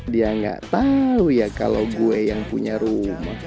dia gak tau ya kalau gue yang punya rumah